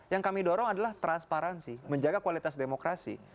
yang kami dorong adalah transparansi menjaga kualitas demokrasi